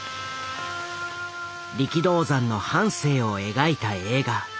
力道山の半生を描いた映画。